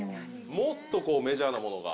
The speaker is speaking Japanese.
もっとメジャーなものが。